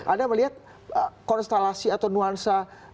anda melihat konstelasi atau nuansa